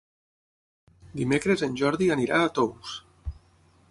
Dimecres en Jordi anirà a Tous.